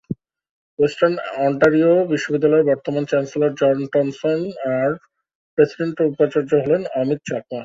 Western Ontario বিশ্ববিদ্যালয়ের বর্তমান chancellor "John Thomson", আর প্রেসিডেন্ট ও উপাচার্য হলেন অমিত চাকমা।